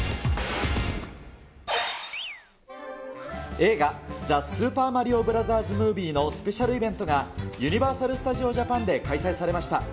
映画、ザ・スーパーマリオブラザーズ・ムービーのスペシャルイベントが、ユニバーサル・スタジオ・ジャパンで開催されました。